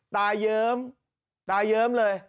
ตายเยิ้มเลย